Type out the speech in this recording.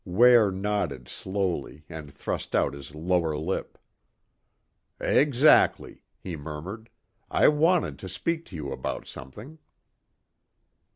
Ware nodded slowly and thrust out his lower lip. "Exactly," he murmured. "I wanted to speak to you about something."